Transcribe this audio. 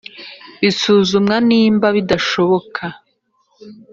bisuzumwa nimba bidashoboka